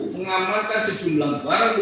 mengamalkan sejumlah barang